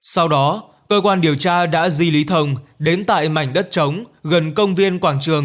sau đó cơ quan điều tra đã di lý thồng đến tại mảnh đất trống gần công viên quảng trường